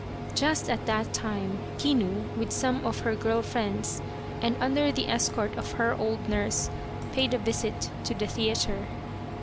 Just at that time, Kinu, with some of her girl friends, and under the escort of her old nurse, paid a visit to the theatre.